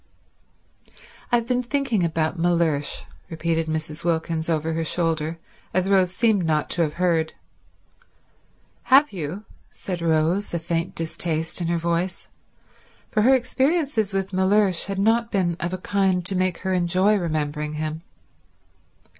"I've been thinking about Mellersh," repeated Mrs. Wilkins over her shoulder, as Rose seemed not to have heard. "Have you?" said Rose, a faint distaste in her voice, for her experiences with Mellersh had not been of a kind to make her enjoy remembering him.